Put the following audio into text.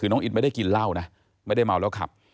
คือน้องอินไม่ได้กินเหล้านะไม่ได้เมาแล้วขับ